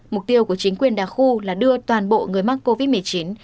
mục tiêu của chính quyền đà khu là đưa toàn bộ người mắc covid một mươi chín